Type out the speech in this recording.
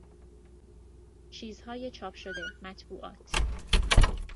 چیزهای چاپ شده، مطبوعات